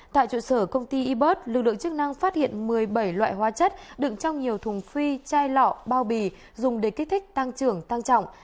tại trụ sở công ty ibert lực lượng chức năng phát hiện một mươi bảy loại hóa chất đựng trong nhiều thùng phi chai lọ bao bì dùng để kích thích tăng trưởng tăng trọng